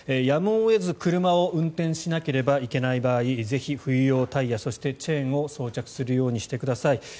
やむを得ず車を運転しなければいけない場合ぜひ冬用タイヤそしてチェーンを装着するようにしてください。